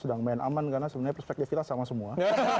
sedang main aman karena perspektif kita sama semua